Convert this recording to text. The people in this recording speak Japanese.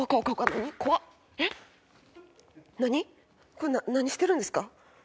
これ何してるんですか？